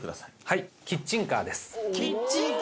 はいキッチンカー